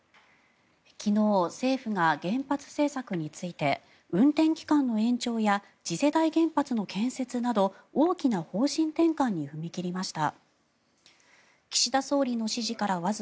昨日、政府が原発政策について運転期間の延長や次世代原発の建設など大きな方針転換に踏み切りました。